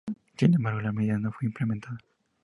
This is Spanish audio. Sin embargo, la medida no fue implementada.